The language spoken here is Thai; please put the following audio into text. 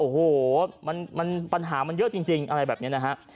โอ้โหปัญหามันเยอะจริงอะไรแบบนี้นะฮะ